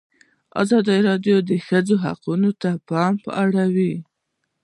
ازادي راډیو د د ښځو حقونه ته پام اړولی.